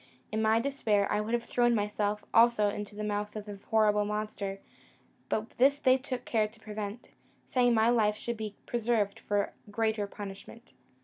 In my despair, I would have thrown myself also into the mouth of the horrible monster; but this they took care to prevent, saying, my life should be preserved for greater punishment.